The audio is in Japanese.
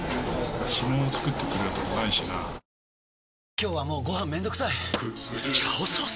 今日はもうご飯めんどくさい「炒ソース」！？